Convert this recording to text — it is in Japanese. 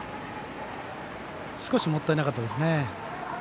少しもったいなかったですね。